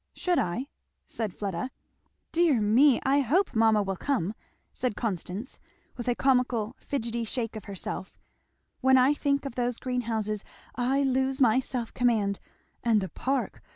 "Should I?" said Fleda. "Dear me! I hope mamma will come!" said Constance with a comical fidgety shake of herself; "when I think of those greenhouses I lose my self command. And the park!